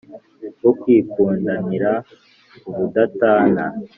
wokwikumdanira ubudatana